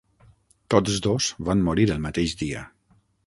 Tots dos van morir el mateix dia.